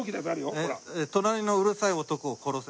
隣のうるさい男を殺せ。